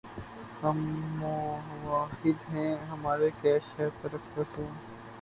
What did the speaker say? ہم موّحد ہیں‘ ہمارا کیش ہے ترکِ رسوم